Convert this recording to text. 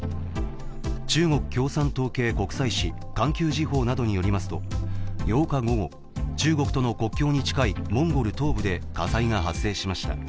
中国共産党系国際誌「環球時報」などによりますと８日午後、中国との国境に近いモンゴル東部で火災が発生しました。